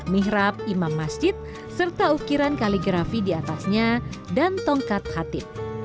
mihrab imam masjid serta ukiran kaligrafi diatasnya dan tongkat hatib